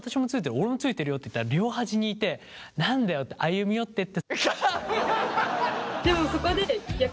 「俺も着いてるよ」って言ったら両端にいて「何だよ」って歩み寄ってって。